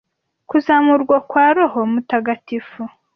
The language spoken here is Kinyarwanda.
kuzamurwa kwa roho mutagatifu